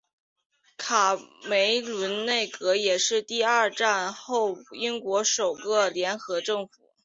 卡梅伦内阁也是二战后英国首个联合政府。